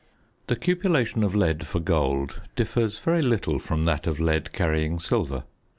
~ The cupellation of lead for gold differs very little from that of lead carrying silver.